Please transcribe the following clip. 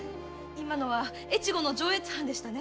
今のは越後の上越藩でしたね？